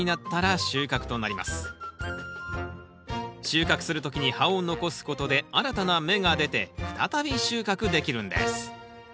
収穫する時に葉を残すことで新たな芽が出て再び収穫できるんです